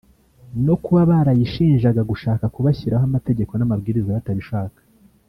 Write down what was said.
no kuba barayishinjaga gushaka kubashyiraho amategeko n’amabwiriza batabishaka